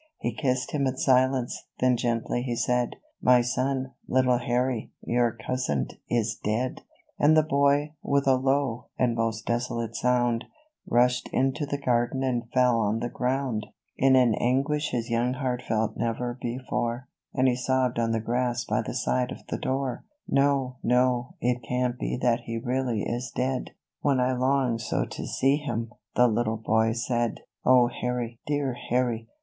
He kissed him in silence, then gently he said, " My son, little Harry, your cousin, is dead !" And the boy, with a low, and most desolate sound, Bushed into the garden and fell on the ground. 18 ANGRY WORDS. In an anguish his young heart felt never before ; And he sobbed on the grass by the side of the door, — "Ho, no! it can't he that he really is dead, When I longed so to see him!" the little hoy said. " 0, Harry ! dear Harry